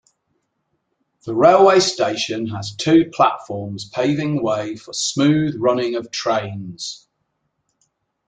The railway station has two platforms paving way for smooth running of trains.